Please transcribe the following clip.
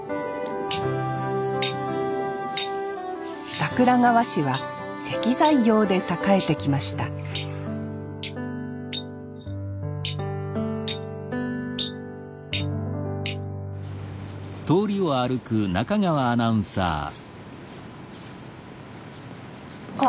桜川市は石材業で栄えてきましたあっ